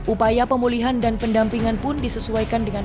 upaya pemulihan dan pendampingan pun disesuaikan dengan